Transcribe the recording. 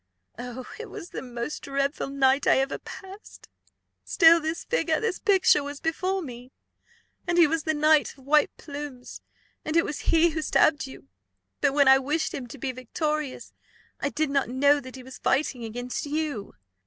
Oh, it was the most dreadful night I ever passed! Still this figure, this picture, was before me; and he was the knight of the white plumes; and it was he who stabbed you; but when I wished him to be victorious, I did not know that he was fighting against you.